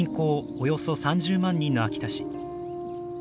およそ３０万人の秋田市。